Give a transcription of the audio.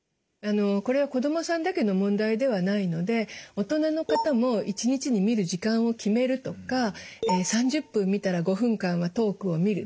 これは子どもさんだけの問題ではないので大人の方も１日に見る時間を決めるとか３０分見たら５分間は遠くを見る。